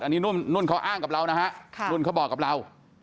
อันนี้นุ่นเขาอ้างกับเรานะฮะนุ่นเขาบอกกับเรา